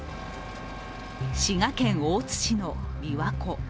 滋賀県大津市の琵琶湖。